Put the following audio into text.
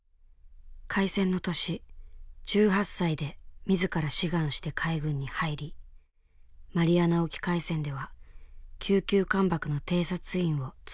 開戦の年１８歳で自ら志願して海軍に入りマリアナ沖海戦では九九艦爆の偵察員を務めていた。